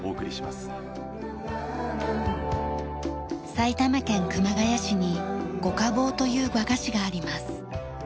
埼玉県熊谷市に五家宝という和菓子があります。